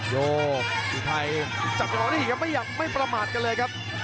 โห้มีใครจับอย่างนี้ครับไม่อยากไม่ประมาทกันเลยครับ